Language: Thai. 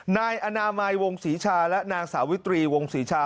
นายอนามัยวงศรีชาและนางสาวิตรีวงศรีชา